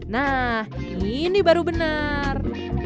nah ini baru benar